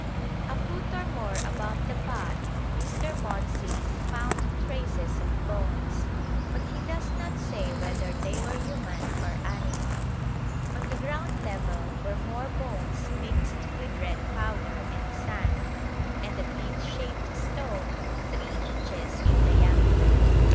A foot or more above the pot Mr. Maudslay found traces of bones, but he does not say whether they were human or animal. On the ground level were more bones mixed with red powder and sand, and a bead shaped stone 3 inches in diameter.